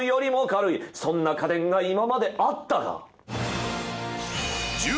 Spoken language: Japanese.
そんな家電が今まであったか？